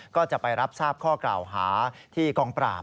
ก็จะไปรับทราบข้อกล่าวหาที่กองปราบ